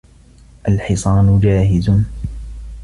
الحصان جاهز.